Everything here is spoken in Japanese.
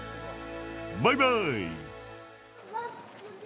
バイバーイ！